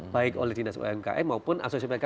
baik oleh dinas umkm maupun asosiasi pkl secara